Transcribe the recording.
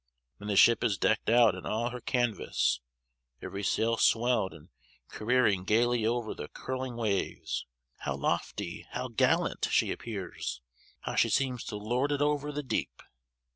When the ship is decked out in all her canvas, every sail swelled, and careering gayly over the curling waves, how lofty, how gallant, she appears how she seems to lord it over the deep!